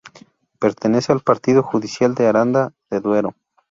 Pertenece al partido judicial de Aranda de Duero.